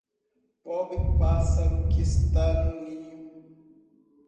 Pobre pássaro que está no ninho.